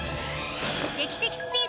劇的スピード！